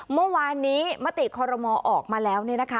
เมื่อวานนี้มติขอรมอออกมาแล้ว